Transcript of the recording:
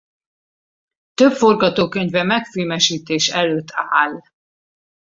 Több forgatókönyve megfilmesítés előtt áll.